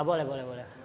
boleh boleh boleh